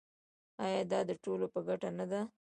آیا دا د ټولو په ګټه نه ده؟